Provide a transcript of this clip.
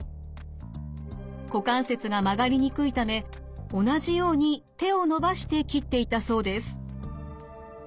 股関節が曲がりにくいため同じように手を伸ばして切っていたそうです。